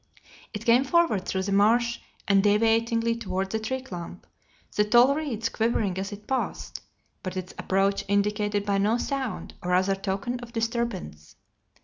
It came forward through the marsh undeviatingly toward the tree clump, the tall reeds quivering as it passed, but its approach indicated by no sound or other token of disturbance.